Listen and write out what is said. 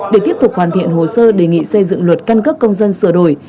để tiếp tục hoàn thiện hồ sơ đề nghị xây dựng luật căn cước công dân sửa đổi